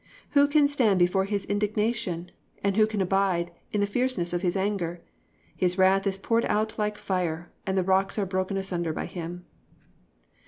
(6) Who can stand before his indignation? and who can abide in the fierceness of his anger? His wrath is poured out like fire, and the rocks are broken asunder by him."